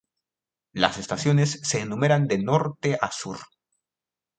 Las estaciones se enumeran de norte a sur.